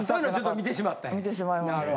見てしまいました。